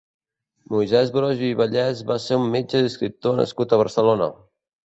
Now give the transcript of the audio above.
Moisès Broggi i Vallès va ser un metge i escriptor nascut a Barcelona.